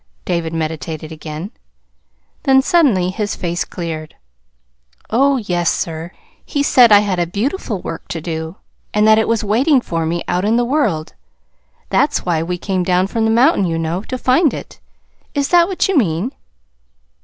David meditated again. Then suddenly his face cleared. "Oh, yes, sir, he said I had a beautiful work to do, and that it was waiting for me out in the world. That's why we came down from the mountain, you know, to find it. Is that what you mean?"